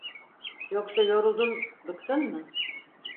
Yoksa yoruldun, bıktın mı?